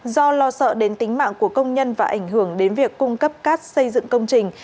do lo sợ đến tính mạng của công nhân và ảnh hưởng đến việc cung cấp cát xây dựng công trình